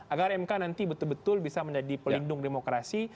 agar mk nanti betul betul bisa menjadi pelindung demokrasi